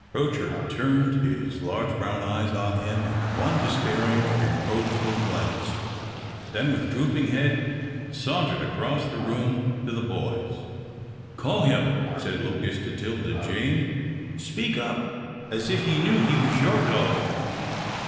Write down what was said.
Poacher turned his large brown eyes on him in one despairing, reproachful glance, then with drooping head sauntered across the room to the boys. "Call him," said Lucas to 'Tilda Jane. "Speak up as if ye knew he was your dog."